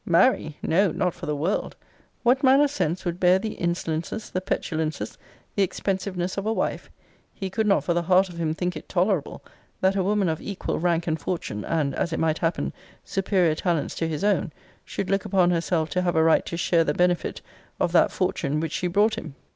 Marry! No, not for the world; what man of sense would bear the insolences, the petulances, the expensiveness of a wife! He could not for the heart of him think it tolerable, that a woman of equal rank and fortune, and, as it might happen, superior talents to his own, should look upon herself to have a right to share the benefit of that fortune which she brought him.